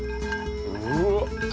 うわっ！